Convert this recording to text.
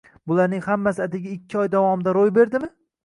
Bularning hammasi atigi ikki oy davomida ro`y berdimi